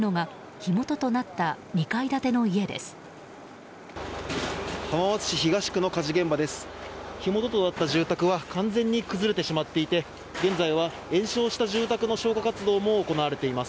火元となった住宅は完全に崩れてしまっていて現在は延焼した住宅の消火活動も行われています。